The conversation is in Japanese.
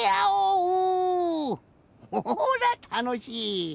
ほらたのしい！